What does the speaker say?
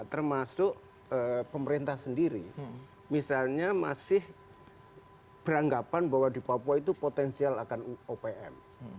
termasuk pemerintah sendiri misalnya masih beranggapan bahwa di papua itu potensial akan opm